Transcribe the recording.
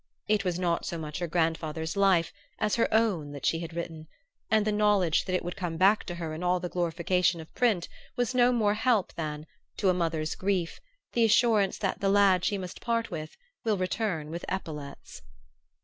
It was not so much her grandfather's life as her own that she had written; and the knowledge that it would come back to her in all the glorification of print was of no more help than, to a mother's grief, the assurance that the lad she must part with will return with epaulets.